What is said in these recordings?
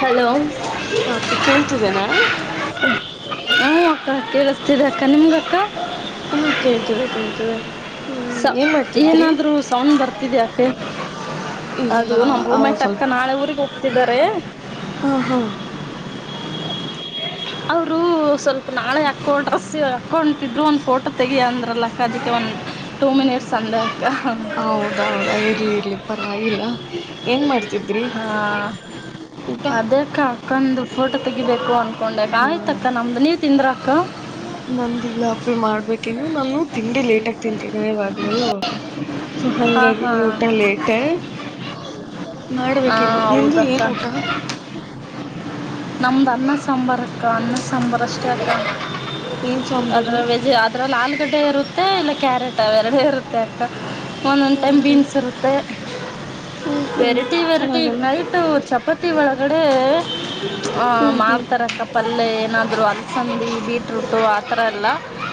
Hello ಹ ಅಪ್ಪಿ ಕೇಳ್ತಿದೆನಾ? ಹಾ ಅಕ್ಕ ಕೇಳಿಸತೀದೆ ಅಕ್ಕ ನಿಮಗ ಅಕ್ಕ? ಹಾ ಕೇಳ್ತೀದೆ ಕೇಳ್ತೀದೆ. ಸ ಏನಾದ್ರು ಸೌಂಡ್ ಬರ್ತಿದ್ಯಾ ಅತ್ತೆ ಇಲ್ಲ ಅದು ನಮ್ಮ ರೂಮೇಟ್ ಅಕ್ಕ ಸ್ವಲ್ಪ ನಾಳೆ ನಾಳೆ ಊರಿಗೆ ಹೋಗ್ತಿದ್ದಾರೆ. ಹಾ ಹಾ ಅವರು ಸ್ವಲ್ಪ. ನಾಳೆ ಅಕೌಂಟ್ ಅ ಅಕೌಂಟ್ ಇದ್ರು ಒಂದ್ ಫೋಟೋ ತೆಗಿ ಅಂದ್ರು. [unintelligible] ಅದಿಕ್ಕೆ ಓನ್ ಹೌದಾ ಹೌದಾ ಇರ್ಲಿ ಇರ್ಲಿ ಪರವಾಗಿಲ್ಲ ಏನ್ ಮಾಡ್ತಿದ್ರಿ ಊಟ ಅದೇ ಅಕ್ಕ ಅಕ್ಕಂದು ಫೋಟೋ ತೆಗಿಬೇಕು ಅಂದ್ಕೊಂಡೆ ಹಾ ಆಯ್ತಕ್ಕ ನಮ್ದು ನೀವು ತಿಂದರಕ ನಂದಿಲ್ಲ ಅಪ್ಪಿ ಮಾಡ್ಬೇಕೇನು ನಾನು ತಿಂಡಿ ಲೇಟ್ ಆಗ ತಿಂತೀನ ಯಾವಗ್ಲುೂ ಹಾಂ ಹಂಗಾಗಿ ಹಾಂ ಊಟ ಲೇಟ್ ಹಾ ಹೌದಕ್ಕ ನಮ್ದು ಅನ್ನ ಸಾಂಬಾರ ಅಕ್ಕ ಅನ್ನ ಸಾಂಬಾರು ಅಷ್ಟೇ ಅಕ್ಕ ಏನ್ ಸಾಂಬರು ಲಲ್ ಆಲ್ಗಡ್ಡೆ ಇರುತ್ತೆ ಇಲ್ಲ ಕ್ಯಾರೆಟ್ ತ ಅವ್ ಎರಡೆ ಇರುತ್ತೆ ಅಕ್ಕ ಒಂನೋನ್ ಹ್ಮ್ ಟೈಮ್ ಹ್ಮ್ ಬೀನ್ಸ್ ಇರುತ್ತೆ ಹ್ಮ್ ಹ್ಮ್ ವೈರಟಿ ಚೆನ್ನಾಗಲ್ಲ ನೈಟ್ ಚಪಾತಿ ಒಳಗ ಕಡೆ ಆ ಹ್ಮ್ ಮಾಡ್ತಾರಕ್ಕ ಪಲ್ಲೆ ಏನಾದ ಇದ್ರು ಅದ್ಸಂದಿ ಬೀಟ್ರೂಟ ಆ ಥರ ಎಲ್ಲ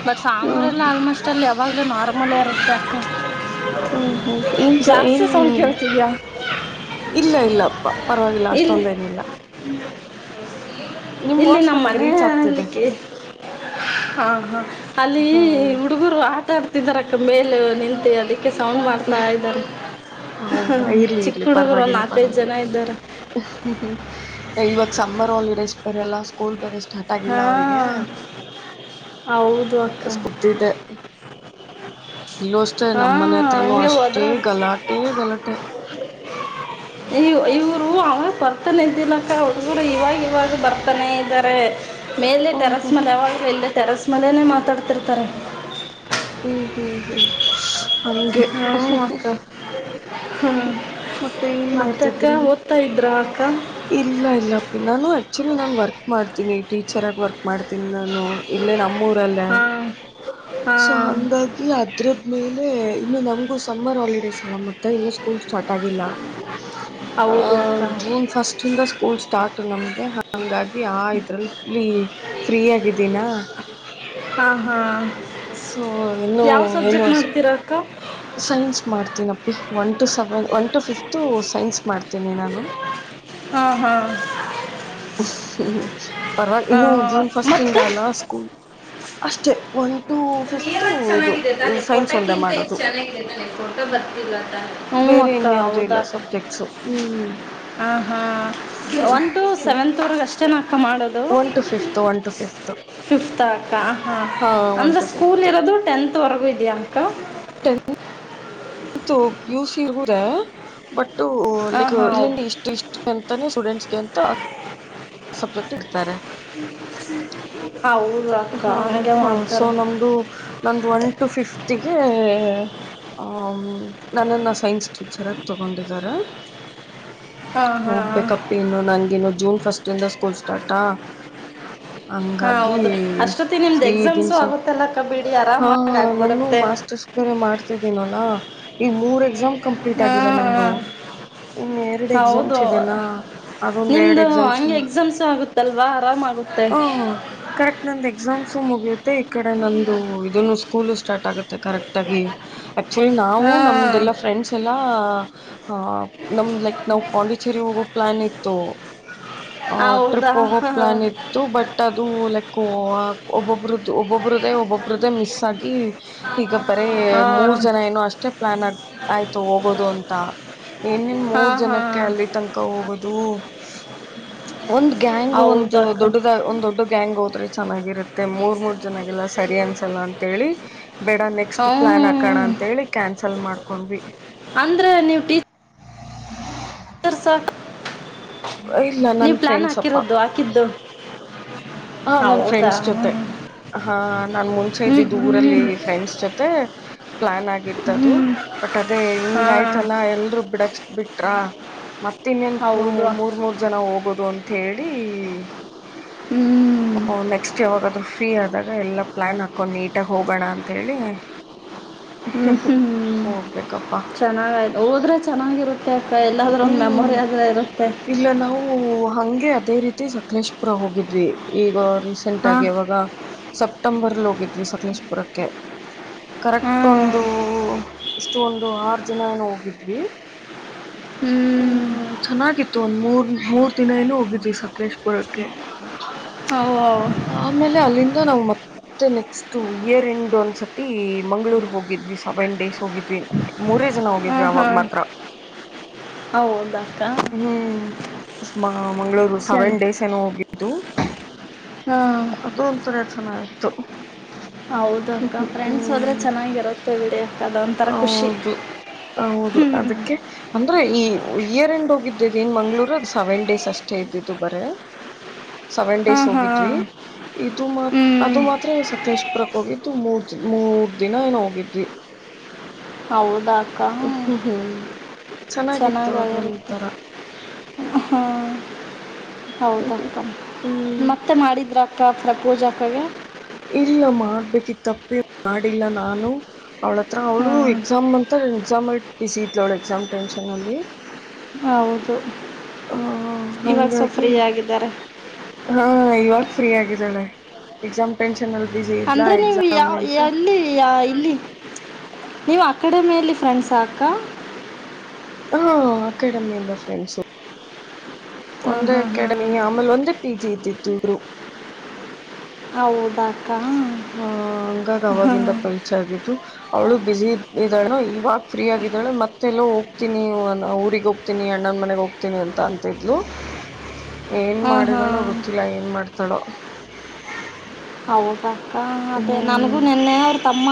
ಬಟ್ ಸಾಂಬ್ರ ಎಲ್ಲ ಹ್ಮ್ ಆಲ್ಮೋಸ್ಟ್ ಅಲ್ ಯಾವಾಗ್ಲೂ ನಾರ್ಮಲ್ ಇರುತ್ತೆ ಕ್ಕ ಹ್ಮ್ ಹ್ಮ್ ಏನ್ ಸ ಜಾಸ್ತಿ ಏನ್ ಸೌಂಡ್ ಕೇಳುಸ್ತಿದ್ಯಾ ಇಲ್ಲ ಇಲ್ಲ ಪ ಪರ್ವಾಗಿಲ್ಲ ಅಷ್ಟೊಂದೇನಿಲ್ಲ [unintelligible] ನಿಮ್ ಇಲ್ಲಿ ವಾಯ್ಸ್ ನಮ್ಮ ನನ್ಗೆ ರೀಚ್ ಆಗ್ತಿದೆ ಮನೆನಲಿಕ್ಕೆ ಹಾ ಹಾ ಅಲ್ಲಿ ಹಾ ಹುಡುಗುರು ಆಟ ಆಡ್ತಿದಾರ್ ಕ್ಕ ಮೇಲು ನಿಂತೆ ಅದಿಕ್ ಹಃ ಹ್ಮ ಹೌದಾ ಇರ್ಲಿ ಚಿಕ್ಕ ಇರ್ಲಿ ಹುಡುಗರು ಒಂದ್ ಪರ್ವಾಗಿಲ್ಲ ನಾಲ್ಕೈದು ಪರ್ವಾಗಿಲ್ಲ ಜನ ಇದ್ದಾರೆ ಹಃ ಹಃ ಇವಾಗ್ ಸಮ್ಮರ್ ಹಾಲಿ ಸ್ ಬರಲ್ಲ ಸ್ಕೂಲ್ ಬೇರೆಸ್ ಹಾ ಹೌದು ಅಕ್ಕ ಹುಸ್ ಕುದಿದ್ದೆ ಇಲ್ಲು ಅಷ್ಟೇ ಹಾ ನಮ್ಮನೆ ಹತ್ರನೂ ಹಂಗೆ ಹೋದ್ರ ಅಷ್ಟೇ ಗಲಾಟೆ ಗಲಾಟೆ ಇ ಇವರು ಅವಾಗ ಬರ್ತಾನೆ ಇದ್ದಿನಕ ಹುಡುಗ್ರು ಇವಾಗ್ ಇವಾಗ್ ಬರ್ತಾನೇ ಇದ್ದಾರೆ ಮೇಲೆ ಹ್ಮ್ ಹ್ಮ್ ಟೆರೇಸ್ಮೆಲ್ ಯಾವಾಗಲೂ ಇಲೆ ತೆರಸ್ ಮನೆನೇ ಮಾತಾಡ್ತಿರ್ತಾರೆ ಹ್ಮ ಹ್ಮ ಹಂಗೆ ಹಃ ಹ್ಞೂ ಹಃ ಅಕ್ಕ ಹ್ಞೂ ಮತ್ತೆ ಏನ್ ಮತ್ತಕ್ಕ ಮಾಡ್ತಿದ್ರಿ ಓದ್ತಾ ಇದ್ರ ಅಕ್ಕ ಇಲ್ಲ ಇಲ್ಲ ಅಪ್ಪಿ ನಾನು ಅಕ್ಚ ನಾನ್ ವರ್ಕ್ ಮಾಡ್ತೀನಿ ಟೀಚರ್ ಆಗ್ ವರ್ಕ್ ಮಾಡ್ತೀನಿ ನಾನು ಇಲ್ಲೇ ನಮ್ಮೂರಲ್ಲೇ ಹಾಂ ಸೊ ಹಾಂ ಹಂಗಾಗಿ ಅದ್ರದ್ ಮೇಲೆ ಇನ್ನು ನಮ್ಗೂ ಸಮ್ಮರ್ ಹಾಲಿಡೇಸ್ ಅಲ್ಲ ಮ ಇನ್ನು ಸ್ಕೂಲ್ ಸ್ಟಾರ್ಟ್ ಆಗಿಲ್ಲ ಆ ಹೌದು ಅಕ್ಕ ಜೂನ್ ಫಸ್ಟ್ ಯಿಂದ ಸ್ಕೂಲ್ ಸ್ಟಾಟ್ ತು ನಮ್ಗೆ ಹಂಗಾಗಿ ಆ ಇದ್ರಲ್ಲಿ ಫ್ಲಿ ಫ್ರೀ ಆಗಿದೀನ ಹಾ ಹಾ ಇನ್ನೂ ಯಾವ ಏನು ಸಬ್ಜೆಕ್ಟ್ ಅಷ್ಟ ಮಾಡ್ತೀರಾ ಅಕ್ಕ ಸೈನ್ಸ್ ಮಾಡ್ತೀನಪ್ಪಿ one to seven one to fifth science ಮಾಡ್ತೀನಿ ನಾನು ಹಾ ಹಾ [unintelligible] ಪರವಾಗಿ ಇನ್ನುೂ ಜೂನ್ ಫಸ್ಟ್ ಇಂದ ಮತ್ತು ಅಲ್ಲ ಸ್ಕೂಲ್ ಅಷ್ಟೆ ಒನ್ ಟು ಫಿಫ್ ಚೆನ್ನಾಗಿದೆ ತಾನೆ [unintelligible] ಇದು ಚೆನ್ನಾಗಿದೆ ತಾನೆ ಫೋಟೋ ಬರ್ತಿಲ್ಲಾನೆ ಹ ಬೇರೆ ಅಕ್ಕ ಇನ್ಯಾವುದೂ ಇಲ್ಲ ಹೌದಾ ಸಬ್ಜೆಕ್ಟ್ಸು ಹ್ಮ್ ಹ ಹಾ one to seven one to fifth one to ಫಿಫ್ fifth ಅಕ್ಕ ಹಾಂ ಒನ್ ಅಂದರೆ ಟು ಸ್ಕೂಲ್ ಫಿಫ್ತ್ ಇರೋದು ಟೆಂತ್ವರೆಗೂ ಇದೆಯ ಅಕ್ಕ [unintelligible] ಪಿಯುಸಿರ್ಗು [unintelligible] ಬಟ್ ಹಾಂ ಲೈಕ್ ಹಾಂ ಇಲ್ಲಿಂದ ಇಷ್ಟ ಇಷ್ಟ ಅಂತನೇ ಸ್ಟೂಡೆಂಟ್ಸ್ಗೆ ಅಂತ ಸಬ್ಜೆಕ್ಟ್ ಇಡ್ತಾರೆ ಹ ಓಕ [unintelligible] ಸೊ ನಮ್ದು ನಂದು ಒನ್ ಟು ಫಿಫ್ತ್ಗೆ ನನ್ನನ್ನ ಸೈನ್ಸ್ ಟೀಚರ್ ಅಂತ [unintelligible] ತೊಗೊಂಡಿದ್ದಾರೆ ಹಾಂ ಹಾಂ ಹೋಗ್ಬೇಕಪ್ಪ ಇನ್ನು ನಂಗಿನು ಜೂನ್ ಫಸ್ಟ್ ಇಂದ ಸ್ಕೂಲ್ ಸ್ಟಾರ್ಟಾ ಹಾಂ ಹಂಗಾಗಿ ಹೌದು ಅಷ್ಟೊತ್ತಿಗೆ ನಿಮ್ದು ಫ್ರೀ ಎಕ್ಸಾಮ್ಸು ಇದೀನಿ ಸ ಆಗುತ್ತಲ್ಲ ಅಕ್ಕ ಬಿಡಿ ಹಾ ಆರಾಮಾಗಿ ನಾನು ಆಗ್ಬಿಡುತ್ತೆ ಮಾಸ್ಟರ್ಸ್ ಬೇರೆ ಮಾಡ್ತಿದ್ದೀನಲ್ಲಾ ಈ ಮೂರ್ ಎಕ್ಸಾಮ ಕಂಪ್ಲೀಟ್ ಆಗಿದೆ ಹಾಂ ನಂದು ಹಾಂ ಇನ್ನು ಎರಡು ಎಕ್ಸಾಮ್ಸ್ ಹೌದು ಇದೆನಾ ಅದೊಂದು ಎರಡು ನಿಮ್ಮದು ಎಕ್ಸಾಮ್ ಹಂಗೆ ಎಕ್ಸಾಮ್ಸು ಆಗುತ್ತಲ್ವಾ ಆರಾಮಾಗುತ್ತೆ ಆ ಕರೆಕ್ಟ್ ಎಕ್ಸಾಮ್ಸು ಮುಗಿಯುತ್ತೆ ಈ ಕಡೆ ನಂದು ಇದುನೂ ಸ್ಕೂಲು ಸ್ಟಾರ್ಟ್ ಆಗುತ್ತೆ ಕರೆಕ್ಟ್ ಾಗಿ [unintelligible] ಆಕ್ಚುಲಿ ನಾವು ಹಾ ನಮ್ದಲ್ಲಾ ಫ್ರೆಂಡ್ಸ್ ಎಲ್ಲಾ ಹ ನಮ್ದ್ ಲೈಕ್ ನಾವ್ ಪಾಂಡಿಚೆರಿ ಹೋಗೋ ಪ್ಲಾನ್ ಇತ್ತು ಆ ಟ್ರಿಪ್ ಹೌದಾ ಹೋಗೋ ಹ ಪ್ಲಾನ್ ಇತ್ತು ಬಟ್ ಅದು ಲೈಕ್ [unintelligible] ಒಬ್ಬರುದು ಒಬೊಬ್ರೇದೇ ಒಬ್ಬಬ್ [unintelligible] ಮಿಸ್ ಆಗಿ ಈಗ ಬರೇ ಹಾ ಮೂರ್ ಜನ ಏನೋ ಅಷ್ಟೇ ಪ್ಲಾನ್ ಆಯ್ತು ಹೋಗೋದು ಅಂತ ಹಾ ಮೂರ್ ಹಾ ಜನಕ್ಕೆ ಅಲ್ಲಿ ತನಕ ಹೋಗೋದು ಒಂದ್ ಗ್ಯಾಂಗ್ ಒಂದು ಹೌದಕ್ಕ ದೊಡ್ಡದ ಒಂದ್ ದೊಡ್ಡ ಗ್ಯಾಂಗೋ ಚೆನ್ನಾಗಿರುತ್ತೆ ಮೂರ್ ಮೂರ್ ಜನಾಗಲ್ಲ ಸರಿ ಅನ್ಸಲ್ಲ ಅಂತೇಳಿ ಬೇಡ ನೆಕ್ಸ್ಟ್ ಪ್ಲಾನ್ ಹಾಕಾಣ ಹ್ಮ್ ಅಂತೇಳಿ ಕ್ಯಾನ್ಸಲ್ ಮಾಡ ಕೊಂಡ್ವಿ ಅಂದ್ರೆ ನೀವು್ ಟೀ ತೀರ್ಸ ಇಲ್ಲ ನೀವು ನನ್ನ ಪ್ಲಾನ್ ಹಾಕಿರೋದು ಹಾಕಿದ್ದು ಹ ನನ್ ಹೌದಾ ಫ್ರೆಂಡ್ಸ್ ಜೊತೆ ಹಾ ನಾನ್ ಮುಂಚೆ ಇದ್ದ ಹ್ಮ್ ದೂರಲ್ಲಿ ಹ್ಮ್ ಫ್ರೆಂಡ್ಸ್ ಜೊತೆ ಪ್ಲಾನ್ ಆಗಿತ್ತ ಅದು ಹ್ಮ್ ಬಟ್ ಅದೇ ಹಾ ಹಿಂಗ ಆಯ್ತಲ್ಲ ಎಲ್ರೂ ಬಿಡಕ್ ಬಿಟ್ರಾ ಮತ್ತ ಇನ್ನೆತ್ ಹೌದು ಮೂರ್ ಮೂರು ಜನ ಹೋಗೋದು ಅಂತ ಹೇಳಿ ಹ್ಮ್ ಹಓ ನೆಕ್ಸ್ಟ್ ಇ ಹೋಗತ್ತೆ [unintelligible] ಆದರು ಫ್ರೀ ಆದಾಗ ಎಲ್ಲಾ ಪ್ಲಾನ್ ಹಾಕೊಂಡ್ ನೀಟಾಗಿ ಹೋಗೋಣ ಅಂತ ಹೇಳಿ ಹ್ಮ್ ಹ್ಮ್ ಹೋಗ್ಬೇಕಪ್ಪಾ ಚೆನ್ನಾಗಾಯ್ತು ಹೋದ್ರೆ ಚೆನ್ನಾಗಿರುತ್ತೆ ಅಕ್ಕ ಎಲ್ಲಾದ್ರೂ ಒಂದು ಹ್ಮ್ ಮೆಮೊರಿ ಆದ್ರೆ ಇರುತ್ತೆ ಇಲ್ಲ ನಾವು ಹಂಗೆ ಅದೇ ರೀತಿ ಸ ಕಲೇಶ್ ಪುರ ಹೋಗಿ. ದ್ವಿ ಈಗ ರೀಸೆಂಟ್ ಹಾ ಆಗಿ ಯವಾಗ ಸೆಪ್ಟೆಂಬರ್ಲ್ಲಿ ಹೋಗಿ ದ್ವಿ [unintelligible] ಸಕಲೇಶಪುರಕ್ಕೆ. ಕರೆಕ್ಟ್ ಹ್ಮ್ ಒಂದೂ ಸ್ಟೋನ್ ದು ಆರ್ ಜನ ಏನೋ ಹೋಗಿದ್ವಿ. ಹ ಹ್ಮ್ ಚೆನ್ನಾಗಿತ್ತು ಒಂದ ಮೂರ್ ಮೂರು ದಿನ ಏನು [unintelligible] ಹೋಗಿದ್ವಿ ಸಕಲೇಶಪುರಕ್ಕೆ. ಹೌ ಹೌ ಆಮೇಲೆ ಅಲ್ಲಿಂದ ನಾವು ಮತ್ತೆ ನೆಕ್ಸ್ಟ್ ಇಯರ್ ಎಂಡ್ ಒಂದ್ಸತಿ ಮಂಗ್ಗಳೂರ್ ಹೋಗಿದ್ವಿ ಸವೆನ್ ಡೇಸ್ ಹೋಗಿದ್ವಿ ಮೂರೇ ಜನ ಹಾ ಹೋಗಿದ್ವಿ ಹಾ ಅವಾಗ ಮಾತ್ರ ಹೌದಕ್ಕ ಹ್ಮ್ ಉಸ್ಮಾ [unintelligible] ಮಂಗಳೂರು ಚೆನ್ನ ಸೆವೆನ್ ಡೇಸ್ ಏನೋ ಹೋಗಿ ತು. ಹಾಂ ಅದು ಒಂಥರಾ ಚೆನ್ನಾಗಿ ತು ಹೌದು ಅಕ್ಕ ಫ್ರೆಂಡ್ಸ್ ಹೋದ್ರೆ ಚೆನ್ನಾಗಿರುತ್ತೆ ಬಿಡಿ ಅಕ್ಕ ಅದೊಂಥರ ಖುಷಿ ಹೌದು ಹೌದು ಹ್ಮ್ ಅದಕ್ಕೆ [unintelligible] ಈ ಇಯರ್ ಎಂಡ್ ಹೋಗಿದ್ವಿ ಏನ್ ಮಂಗ್ಳೂರ ಸೆವೆನ್ ಡೇಸ್ ಅಷ್ಟೇ ಇದ್ದಿದ್ದು ಬರೇ ಸೆವೆನ್ ಡೇಸ್ ಹಾಂ ಹೋಗಿದ್ ಹಾಂ [unintelligible] ಇದು ಮಾ ಅದು ಹ್ಮ್ ಮಾತ್ರ ಸಕಲೇಶಪುರಕ್ಕೆ ಹೋಗಿದ್ದು ಮೂರ್ ಮೂರ್ ದಿನ ಏನೊ ಹೋಗಿದ್ವಿ ಹೌದಾ [unintelligible] ಹ್ಮ್ ಹ್ಮ್ ಚೆನ್ನಾಗಿತ್ತು ಚೆನ್ನಾಗಾಗಿರುತ್ತೆ ಅದೊಂತರ ಹ ಹೌದಕ್ಕ ಹ್ಮ್ ಮತ್ತೆ ಮಾಡಿದ್ರ ಅಕ್ಕ ಮತ್ತೆ [unintelligible] ಪೂಜೆ ಆಗ್ತ ಇದೆ ಇಲ್ಲ ಮಾಡ್ಬೇಕಿತ್ತಪ್ಪಿ ಮಾಡಿಲ್ಲ ನಾನು ಅವಳತ್ರ ಅವಳು ಹ್ಮ್ ಎಕ್ಸಾಮ್ ಅಂತ ಹೇಳಿ ಎಕ್ಸಾಮ್ ಬಿಜ್ಹೀ ಇದ್ಲೋಳ್ ಎಕ್ಸಾಮ್ ಟೆನ್ಶನ್ನಲ್ಲಿ ಹೌದು ಇವಾಗ್ ಸ್ವಲ್ಪ್ ಫ್ರೀ ಹಾಗಾಗಿ ಆಗಿದ್ದಾರೆ. ಹಾ ಇವಾಗ ಫ್ರೀ ಆಗಿದ್ದಾಳೆ ಎಕ್ಸಾಮ್ ಟೆನ್ಶ್ ಅಂದ್ರೆ ನೀವು ಯಾವ್ ಎಲ್ಲಿ ಯಾ ಇಲ್ಲಿ ನೀವು ಅಕಾಡೆಮೇಲಿ ಫ್ರೆಂಡ್ಸಾ ಅಕ್ಕ. ಹಾ ಅಕಾಡೆಮಿಯಿಂದ ಫ್ರೆಂಡ್ಸು. ಹಾ ಒಂದೆ ಹಾ ಹಾ ಅಕಾಡೆಮಿಯ ಆಮೇಲ್ ಒಂದೆ ಪಿಜಿ ಇದ್ದಿದ್ದು ಇಬ್ರು. ಹೌದ್ ಹಾ ಹಂಗಾಗ ಅವವಾಗಿಂದ ಪಿಲ್ಸ್ ಆಗಿದ್ದು ಅವಳು ಬಿಸಿ ಇದ ಇದ್ದಾಳ ಇವಾಗ ಫ್ರೀ ಆಗಿದ್ದಾಳೆ ಮತ್ತೆಲ್ಲ ಹೋಗ ಹೋಗ್ತೀನಿ ಊರಿಗೆ ಹೋಗ್ತೀನಿ ಅಣ್ಣನ ಮನೆಗೆ ಹೋಗ್ತೀನಿ ಅಂತ ಅಂತಿದ್ಲು. ಏನು ಹಾಂ ಮಾಡಿದಳೋ ಹಾಂ ಗೊತ್ತಿಲ್ಲ ಏನು ಮಾಡ್ತಾಳೋ. ಹ ಅದೇ ನನಗೂ ಹ್ಮ್ ನೆನ್ನೆ ಅವ್ರ ತಮ್ಮ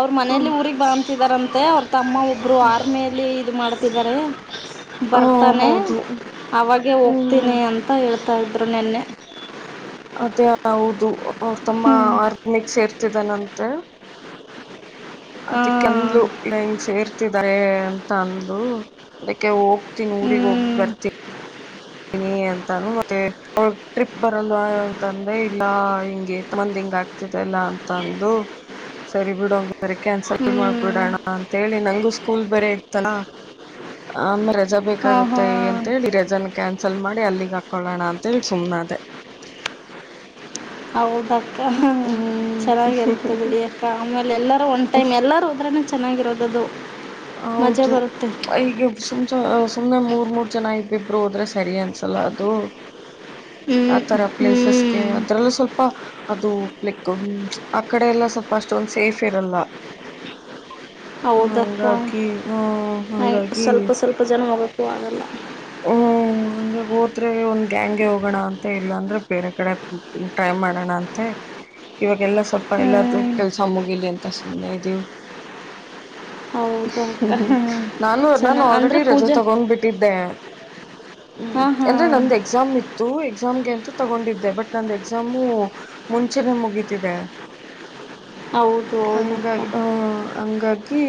ಅವ್ರ ಮನೆಯಲ್ಲಿ ಊರಿಗೆ ಬತಿದಾರಂತೆ ಅವ್ರ ತಮ್ಮ ಒಬ್ಬರು ಆರ್ಮೇಲಿ ಇದು ಮಾಡ್ತಿದ್ದಾರೆ. ಹ ಬರ್ತಾನೆ ಹೌದು ಅವಾಗೆ ಹ್ಮ್ ಹೋಗ್ತೀನಿ ಅಂತ ಹೇಳ್ತಾ ಇದ್ರು ನೆ. ಆಮೇಲೆ. ಮತ್ತೆ ಹೌದು ತಮ್ಮ ಹ್ಞೂ ಆರ್ಮಗ್ ಸೇರ್ತಿದ್ದಾನಂತೆ. ಹಾಂ ಅದಕ್ಕೆಂದ್ಲು ಇಲ್ಲ ಹಿಂಗ್ ಸೇರ್ತಿದಿದ್ದಾರೆ ತಂದ್ಲು ಅದಕ್ಕೆ ಹೋಗ ಹ್ಞೂ ಊರಿಗೆ ಹೋಗ ಬರ್ತಿ [unintelligible] ಟ್ರಿಪ್ ಬರಲ್ವಾ ಅಂತಂದ್ರೆ ಇಲ್ಲ ಹಿಂಗ ಎ ಮಂದ್ ಹಿಂಗ ಆಗ್ತಿದೆಲ್ಲ ಅಂತಂದು ಸರಿ ಬಿಡು ಬರ ಕ್ಯಾನ್ಸಲ್ ಹ್ಞೂ ಮಾಡ್ಬಿಡೋಣ ಅಂತ ಹೇಳಿ ನಂಗು ಸ್ಕೂಲ್ ಬರ ಇತ್ತಲ್ಲ ಆಮೇಲೆ ಜ ಹಾಂ ಬೇಕಾಗುತ್ತೆ ಹಾಂ ಅಂತ ಹೇಳಿ ರಜನ್ ಮಾಡಿ ಅಲ್ಲಿಗೆ ಹಾಕೊಳ್ಳೋಣ ಅಂತೇಳಿ ಸುಮ್ನ ಅದೇ ಹೌದಾ ಚೆನ್ನಾಗಿರುತ್ತೆ ಹ್ಮ್ ಬಿಡಿ ಅಕ್ಕ ಆಮೇಲೆ ಎಲ್ಲಾರೂ ಒನ್ ಟೈಮ್ ಎಲ್ಲರೂ ಹೋದ್ರನ ಚೆನ್ನಾಗಿರುತ್ತೆ [unintelligible] ಹೌದು ಈಗ ಸುಮ್ಸ ಸುಮ್ನೆ ಮೂರ್ ಮೂರ್ ಜನ ಆಯ್ತು ಇಬ್ರು ಹೋದ್ರೆ ಸರಿ ಅನ್ಸಲ್ಲ ಅದು ಹ್ಞೂ ಆ ತರ ಹ್ಞೂ ಪ್ಲೇಸಸ್ಗೆ ಆ ತರ ಯಲ್ಲ ಸ್ವಲ್ಪ ಅದು ಆ ಕಡೆ ಎಲ್ಲ ಸ್ವಲ್ಪ ಅಷ್ಟೊಂದ ಸೇಫ್ ಇರಲ್ಲ ಹೌದಕ್ಕ ಹಂಗಾಗಿ ಹ ನ ಹಂಗಾಗಿ ಸ್ವಲ್ಪ ಸ್ವಲ್ಪ ಜನ ಹೋಗಕು ಆಗಲ್ಲ. ಹೂ ಹೋದ್ರೆ ಒಂದ್ ಗ್ಯಾಂಗ್ಗೆ ಹೋಗೋಣ ಅಂತ ಇಲ್ಲ ಅಂದ್ರೆ ಬೇರೆ ಕಡೆ ಟ್ರೈ ಮಾಡೋಣ ಅಂತೆ ಇವಾಗ. ಎಲ್ಲ ಸ್ವಲ್ಪ ಎಲ್ಲಾರ್ದು ಹ್ಞೂ ಕೆಲಸ ಮುಗಿಲಿ ಅಂತ ಅಷ್ಟ್ ನ್ನದುವು ಹೌದು ಅಕ್ಕ ಹ್ಮ್ ಹ್ಮ್ ಹಾಂ ನಾನು ಚೆನ್ನ ನಾನು ಅಂದರೆ ಆಲ್ರೆಡಿ ರಜೆ ಪೂಜೆ ತಗೊಂಡ್ ಬಿಟ್ಟಿದ್ದೆ. ಹ್ಮ್ ಹಾಂ ಅಂದ್ರೆ ಹಾಂ ನಂದ ಎಕ್ಸಾಮ್ ಇತ್ತು ಎಕ್ಸಾಮ್ಗೆ ಅಂತ ತಗೊಂಡಿದ್ದೆ ಬಟ್ ನಂದು ಎಕ್ಸಾಮು ಮುಂಚೆನೆ ಮುಗೀತಿದೆ ಹೌದು ಹೌದಕ್ಕ ಹಂಗಾಗಿ ಹ್ಮ್ ಹಂಗಾಗಿ.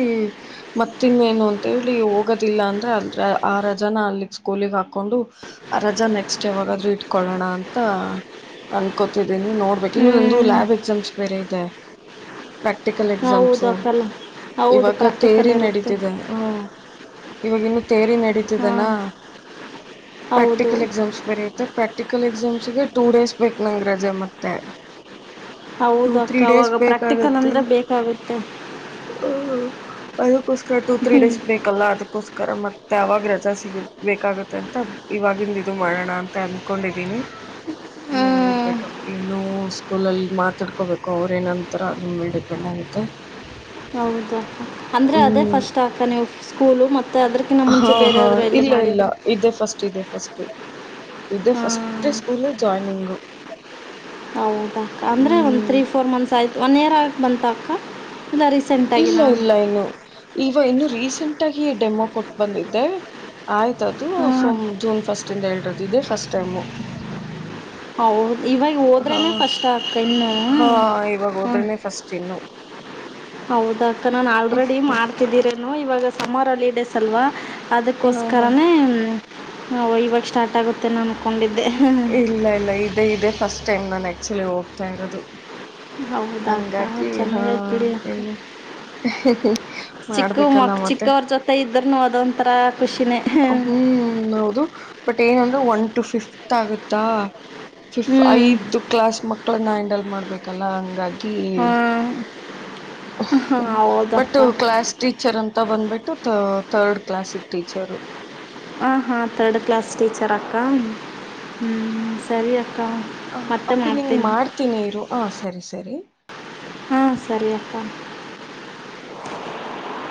ಮತ್ತ ಇನ್ನೇನು ಅಂತೇಳಿ ಹೋಗೋದಿಲ್ಲ ಅಂದ್ರೆ ಅಲ್ ಆರ ಜನ ಅಲ್ಲಿ ಸ್ಕೂಲಿಗೆ ಹಾಕೊಂಡು ರಜಾ ನೆಕ್ಸ್ಟ್ ಡೇ ಯಾವಾಗಾದ್ರೂ ಇಟ್ಕೊಳ್ಳೋಣ ಅಂತ ಅನ್ಕೋತಿದ ಇದ ನೋಡ್ಬೇಕ ಇನ್ನು ಹ್ಞೂ ನಂದು ಲ್ಯಾಬ್ ಎಕ್ಸಾಮ್ಸ್ ಬೇರೆ ಐತೆ. ಪ್ರಾಕ್ಟಿಕಲ್ ಹೌದು ಎಕ್ಸಾಮ್ಸು ಅಕ್ಕಲ್ಲ ಹೌದು ಇವಾಗ ತೇರಿ ಪ್ರಾಕ್ಟಿಕಲ್ ಇರುತ್ತೆ ನಡೀತಿದೆ ಹ್ಮ ಇವಾಗ ಇನ್ನು ತೇರಿ ನಡೀತಿದೆನಾ. ಹಾಂ ಹೌದು ಪ್ರಾಕ್ಟಿಕಲ್ ಎಕ್ಸಾಮ್ಸ್ ಬರೆೆಯ ಪ್ರಾಕ್ಟಿಕಲ್ ಎಕ್ಸಾಮ್ಸ್ಗೆ ಟೂ ಡೇಸ್ ನಂಗ್ ರಜೆ ಮತ್ತೆ. ಟೂ ಹೌದು ತ್ರೀ ಅಕ್ಕ ಡೇಸ್ ಅವಾಗ ಪ್ರಾಕ್ಟಿಕಲ್ ಬೇಕಾಗತ್ತೆ ಅಂದರೆ ಬೇಕಾಗುತ್ತೆ ಅದಕ್ಕೋಸ್ಕರ ಟೂ ತ್ರೀ ಡೇಸ್ ಬೇಕಲ್ಲ ಅದಕ್ಕೋಸ್ಕರ ಮತ್ತೆ. ಅವಾಗ ರಜ ಸಿಗು [unintelligible] ಬೇಕಾಗುತ್ತೆ ಅಂತ ಇವಾಗಿಂದ ಇದು ಮಾಡೋಣ ಅಂತ ಅಂದಕೊಂಡಿದೀನಿ ಹ್ಞೂ ಇನ್ನು ನೋಡ್ಬೇಕಪ್ಪ ಇನ್ನು ಸ್ಕೂಲಲ್ಲಿ ಮಾತಾಡ್ಕೋಬೇಕು ಅವ್ರ ಏನಂತರ ಅದ್ರ ಮೇಲೆ ಡಿಪೆಂಡ್ ಆಗುತ್ತೆ ಹೌದಾ ಅಂದ್ರೆ ಅದೇ ಹ್ಮ್ ಫಸ್ಟ್ ಅಕ್ಕ ನೀವು ಸ್ಕೂಲು ಮತ್ತೆ ಅದ್ರ ಹಾ ಹಾ ಇಲ್ಲ ಇಲ್ಲ ಇದೆ ಫಸ್ಟ್ ಇದೆ ಫಸ್ಟ್ ಇದೆ ಫಸ್ಟ್ ಸ್ಕೂಲ್ ಜಾಯ್ನಿಂಗು ಹೌದಕ್ಕ ಅಂದ್ರೆ ಒಂದ್ ತ್ರೀ ಹ್ಮ್ ಫೋರ್ ಮಂತ್ಸ್ ಆಯ್ತು. ಒನ್ ಇಯರ್ ಆಗಕ್ಕೆ ಬಂತ ಅಕ್ಕ ಇಲ್ಲ ಇಲ್ಲ ರೀಸೆಂಟಾಗಿನಾ ಇಲ್ಲ ಇನ್ನು ಈವ ಇನ್ನು ರೀಸ ಸಿಂಟಾಗಿ ಡೆಮೋ ಕೊಟ್ ಬಂದಿದ್ದೆ ಆಯ್ತದು ಸೊ ಹ್ಮ್ ಜೂನ್ ಫಸ್ಟ್ ಇಂದ ಎರಡ್ ಇದೆ ಫಸ್ಟ್ ಟೈಮು ಹೌ ಇವಾಗ ಹಾ ಹೋದ್ರೆನೆ ಫಸ್ಟ್ ಅಕ್ಕ ಇನ್ನು ಹಾ ಇವಾಗ ಹಾ ಹೋದ್ರನೆ ಫಸ್ಟ್ ಇನ್ನು ಹೌದ ಅಕ್ಕ ನಾನ್ ಆಲ್ರೆಡಿ ಮಾಡ್ತಿದ್ದೀರೇನು ಇವಾಗ ಸಮ್ಮರ್ ಹಾಲೀಡೇಸ್ ಅಲ್ವಾ. ಹಾ ಹಾ ಅದಕ್ಕೋಸ್ಕರನೇ. ನಾವು ಇವಾಗ ಸ್ಟಾರ್ಟ್ ಆಗುತ್ತೆನೋ ಅನ್ಕೊಂಡಿದ್. ಇಲ್ಲ ಇಲ್ಲ ಇದೆ ಇದೆ ಫಸ್ಟ್ ಟೈಮ್ ನಾನು ಆಕ್ಚುಲಿ ಹೋಗ್ತಾ ಇರೋದು. ಹೌದ ಆಕ್ಕಾ ಹಂಗಾಗಿ ಹಾ ಚೆನ್ನಾಗೈತ್ ಬಿಡಿ ಇನ್ನು ಚಿಕ್ಕ ಮಾಡ್ಬೇಕಲ್ಲ ಮಕ್ ಮತ್ತೆ ಚಿಕ್ಕವ್ರ ಜೊತೆ ಇದ್ರನು ಅದೊಂಥರ ಖುಷಿನೇ ಹ್ಞೂ ಹ್ಮ್ ಹೌದು ಬಟ್ ಏನಂದ್ರೆ ಒನ್ ಟು ಫ ಫ್ತ್ ಆಗುತ್ತಾ ಫಿಫ ಐದು ಕ್ಲಾಸ್ ಮಕ್ಳನ ಹಂಡಲ್ ಮಾಡ್ಬೇಕಲ್ಲಾ ಹಂಗಾ ಗಿ ಹ್ಮ್ ಹಾಂ ಬಟ್ ಹೌದಕ್ಕ ಕ್ಲಾಸ್ ಟೀಚರ್ ಅಂತ ಬಂದ್ಬಿಟ್ಟು ತ ತರ್ಡ್ ಕ್ಲಾಸಿಗ್ ಟೀಚರು ಹಾಂ ಹಾಂ ಥರ್ಡ್ ಕ್ಲಾಸ್ ಟೀಚರ ಅಕ್ಕ, ಹ್ಞೂ ಸರಿ ಅ ಹ ಅಪ್ಪಿ ನಿಂಗ ಮಾಡ್ತೀನಿ ಇರು ಹಾ ಸರಿ ಸರಿ. ಹಾಂ ಸರಿ ಅಕ್ಕ